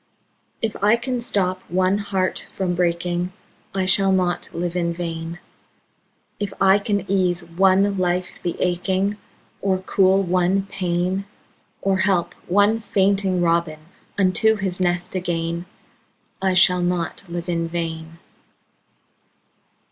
If I can stop one heart from breaking, I shall not live in vain; If I can ease one life the aching, Or cool one pain, Or help one fainting robin Unto his nest again, I shall not live in vain.